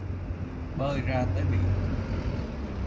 Bơi ra tới biển